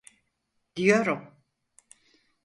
Diyorum.